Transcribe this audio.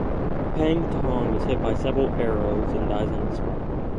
Pang Tong is hit by several arrows and dies on the spot.